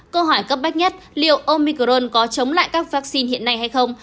câu hỏi cấp bách nhất liệu omicron có chống lại các vaccine hiện nay hay không